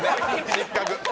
失格。